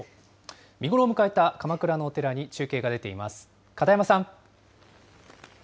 見頃を迎えた鎌倉のお寺に、中継が出ています。